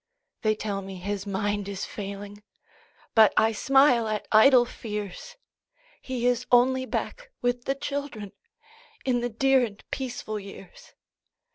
They tell me his mind is failing, But I smile at idle fears; He is only back with the children, In the dear and peaceful years.